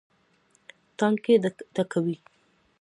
ټانکۍ ډکوي.